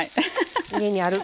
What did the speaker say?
家にある。